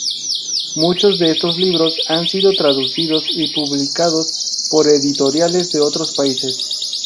Muchos de estos libros han sido traducidos y publicados por editoriales de otros países.